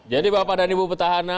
jadi bapak dan ibu petahana